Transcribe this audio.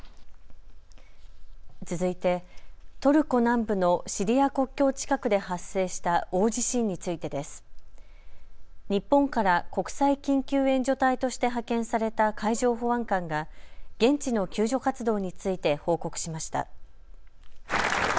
続いて、トルコ南部のシリア国境近くで発生した大地震についてです。日本から国際緊急援助隊として派遣された海上保安官が現地の救助活動について報告しました。